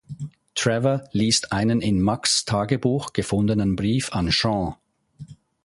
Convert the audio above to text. Trevor liest einen in Max’ Tagebuch gefundenen Brief an Sean.